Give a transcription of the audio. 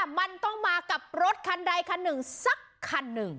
มันต้องมากับรถคันใดคันหนึ่งสักคันหนึ่ง